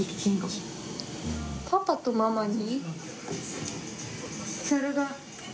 パパとママに？